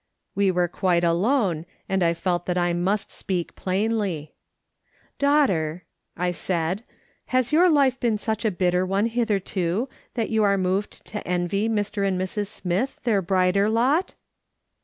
"We were quite alone, and I felt that I must speak plainly. " Daughter," I said, has your life been such a bitter one hitherto, that you are moved to envy Mr. and Mrs. Smith their brighter lot